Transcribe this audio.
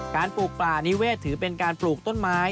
ปลูกป่านิเวศถือเป็นการปลูกต้นไม้